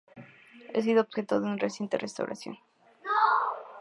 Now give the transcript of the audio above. Ha sido objeto de una reciente restauración.